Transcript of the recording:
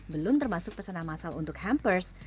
belum termasuk pesanan masal untuk hampers